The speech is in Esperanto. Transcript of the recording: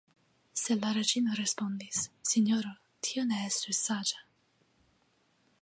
Sed la reĝino respondis: Sinjoro, tio ne estus saĝa.